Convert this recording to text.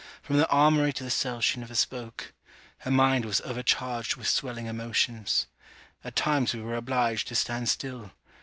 From the armoury to the cell she never spoke. Her mind was overcharged with swelling emotions. At times we were obliged to stand still.